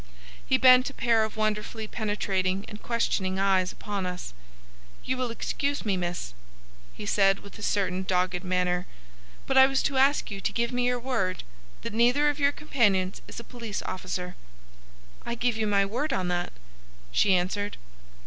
He bent a pair of wonderfully penetrating and questioning eyes upon us. "You will excuse me, miss," he said with a certain dogged manner, "but I was to ask you to give me your word that neither of your companions is a police officer." "I give you my word on that," she answered.